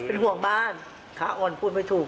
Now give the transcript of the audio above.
เป็นห่วงบ้านขาอ่อนพูดไม่ถูก